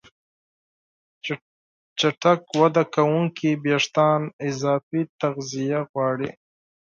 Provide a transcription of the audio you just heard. چټک وده کوونکي وېښتيان اضافي تغذیه غواړي.